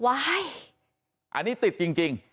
อันนี้ติดจริง